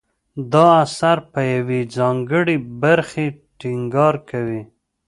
دا اثر په یوې ځانګړې برخې ټینګار کوي.